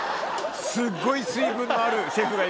すっごい水分のあるシェフが。